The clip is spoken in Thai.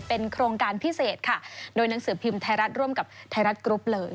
เป็นโครงการพิเศษค่ะโดยหนังสือพิมพ์ไทยรัฐร่วมกับไทยรัฐกรุ๊ปเลย